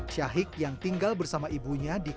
syahik yang tinggal bersama ibunya di kampung arak